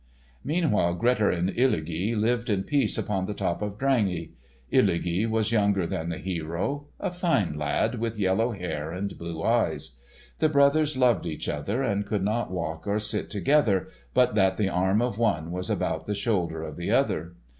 Meanwhile, Grettir and Illugi lived in peace upon the top of Drangey. Illugi was younger than the hero; a fine lad with yellow hair and blue eyes. The brothers loved each other, and could not walk or sit together, but that the arm of one was about the shoulder of the other.